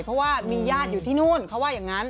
เพราะว่ามีญาติอยู่ที่นู่นเขาว่าอย่างนั้น